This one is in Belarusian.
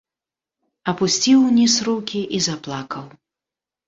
Апусціў уніз рукі і заплакаў.